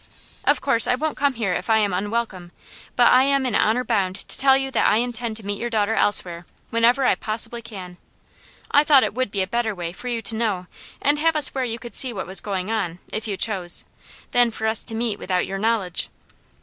Of course I won't come here if I am unwelcome, but I am in honour bound to tell you that I intend to meet your daughter elsewhere, whenever I possibly can. I thought it would be a better way for you to know and have us where you could see what was going on, if you chose, than for us to meet without your knowledge."